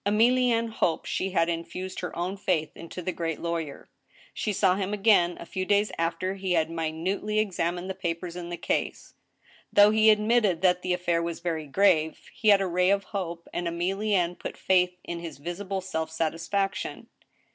Emllienne hoped she had infused her own faith into the great lawyer. She saw him again, a few days after he had minutely ex amined the papers in the case. Though he admitted that the affair was very grave, he had a ray of hope, and Emilienne put faith in his visible self satisfaction.